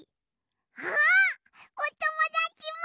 あっおともだちも！